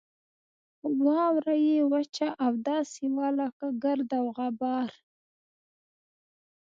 واوره یې وچه او داسې وه لکه ګرد او غبار.